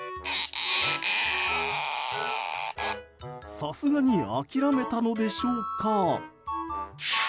さすがに諦めたのでしょうか。